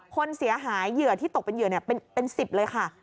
คนเสียหายเหยื่อที่ตกเป็นเหยื่อเป็น๑๐เลยค่ะ